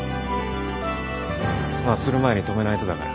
する前に止めないとだから。